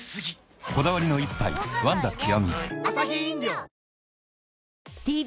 こだわりの一杯「ワンダ極」